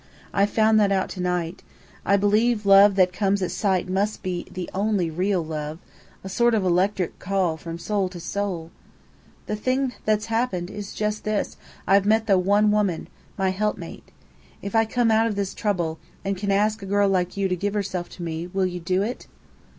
I've found that out to night. I believe love that comes at sight must be the only real love a sort of electric call from soul to soul. The thing that's happened is just this: I've met the one woman my help mate. If I come out of this trouble, and can ask a girl like you to give herself to me, will you do it?"